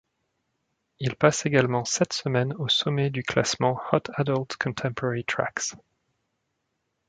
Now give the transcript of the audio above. Il passe également sept semaines au sommet du classement Hot Adult Contemporary Tracks.